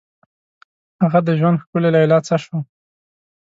هغه د ژوند ښکلي لیلا څه شوه؟